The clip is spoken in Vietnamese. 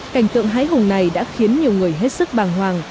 cảnh tượng hái hùng này đã khiến nhiều người hết sức bàng hoàng